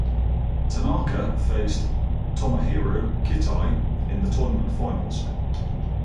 Tanaka faced Tomohiro Kitai in the tournament finals.